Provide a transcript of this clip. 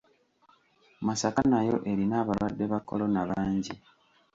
Masaka nayo erina abalwadde ba kolona bangi.